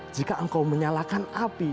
jika engkau menyalakan api